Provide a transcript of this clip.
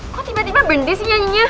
kok tiba tiba bende sih nyanyinya